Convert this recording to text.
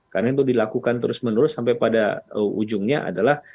karena itu dilakukan terus menerus sampai pada ujungnya adalah